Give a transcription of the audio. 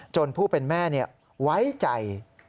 ผู้เป็นแม่ไว้ใจ